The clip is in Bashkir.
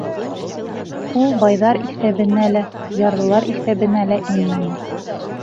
Ул байҙар иҫәбенә лә, ярлылар иҫәбенә лә инмәне.